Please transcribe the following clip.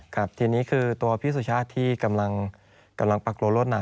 ครับทีนี้คือตัวพี่สุชาติที่กำลังปรากฏรถน่ะ